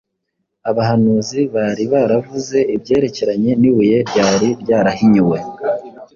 Abahanuzi bari baravuze ibyerekeranye n’ibuye ryari ryarahinyuwe;